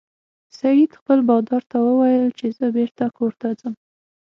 سید خپل بادار ته وویل چې زه بیرته کور ته ځم.